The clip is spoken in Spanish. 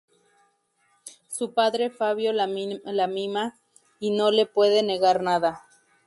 Su padre Fabio la mima, y no le puede negar nada.